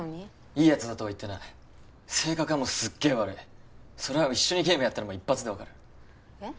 いいやつだとは言ってない性格はもうすっげえ悪いそれは一緒にゲームやったらもう一発で分かるえっ？